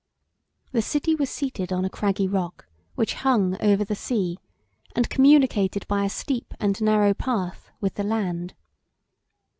The city was seated on a craggy rock, which hung over the sea, and communicated by a steep and narrow path with the land.